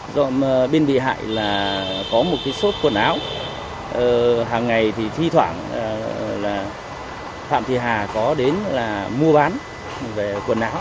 dọn bên bị hại là có một cái sốt quần áo hàng ngày thì phi thoảng là phạm thị hà có đến là mua bán về quần áo